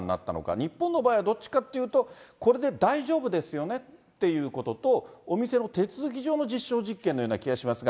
日本の場合はどっちかっていうと、これで大丈夫ですよね？っていうことと、お店の手続き上の実証実験のような気がしますが。